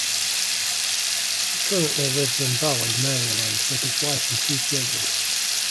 He currently lives in Bowie, Maryland with his wife and two children.